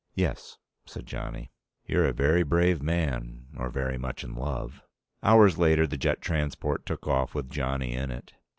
"Yes," said Johnny. "You're a very brave man, or very much in love." Hours later, the jet transport took off with Johnny in it.